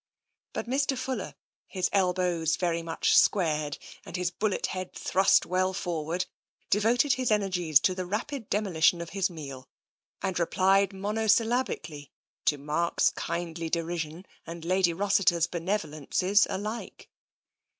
But Mr. Fuller, his elbows very much squared and his bullet head thrust well forward, devoted his energies to the rapid demolition of his meal, and replied mono syllabically to Mark's kindly derision and Lady Ros siter's benevolences alike.